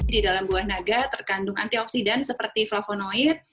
di dalam buah naga terkandung antioksidan seperti flavonoid